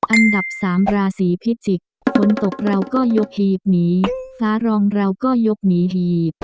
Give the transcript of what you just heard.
อันดับสามราศีพิจิกษ์ฝนตกเราก็ยกหีบหนีฟ้ารองเราก็ยกหนีหีบ